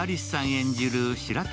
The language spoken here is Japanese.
演じる白玉